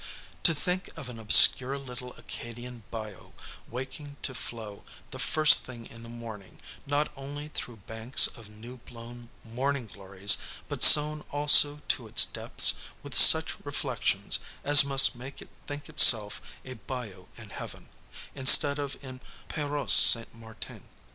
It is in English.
To think of an obscure little Acadian bayou waking to flow the first thing in the morning not only through banks of new blown morning glories, but sown also to its depths with such reflections as must make it think itself a bayou in heaven, instead of in Paroisse St. Martin.